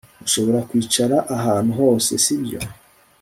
Nshobora kwicara ahantu hose sibyo